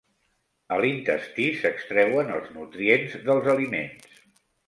A l'intestí s'extreuen els nutrients dels aliments.